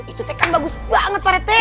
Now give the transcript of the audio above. itu kan bagus banget parete